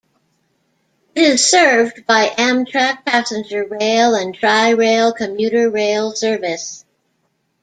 It is served by Amtrak passenger rail and Tri-Rail commuter rail service.